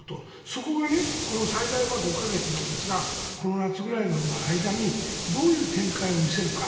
そこがこの最大５か月なんですがこの夏ぐらいまでの間にどういう展開を見せるか。